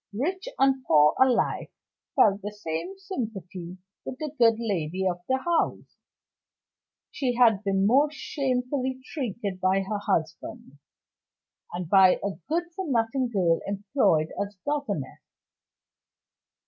Rich and poor alike felt the same sympathy with the good lady of the house. She had been most shamefully treated by her husband, and by a good for nothing girl employed as governess.